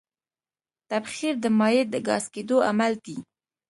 تبخیر د مایع د ګاز کېدو عمل دی.